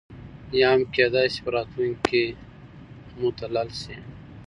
یا هم کېدای شي په راتلونکي کې مدلل شي.